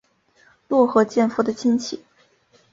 落合建夫的亲戚。